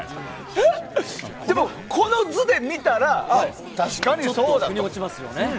でもこの図で見たら確かにそうだと。腑に落ちますよね。